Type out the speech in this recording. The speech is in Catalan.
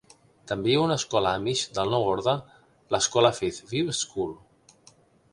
També hi ha una escola amish del Nou Orde, l'escola Faith View School.